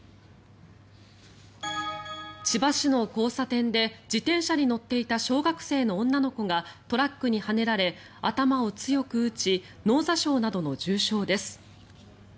千葉市の交差点で自転車に乗っていた小学生の女の子がトラックにはねられ頭を強く打ち脳挫傷などの重傷です。